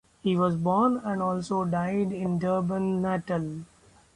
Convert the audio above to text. He was born and also died in Durban, Natal.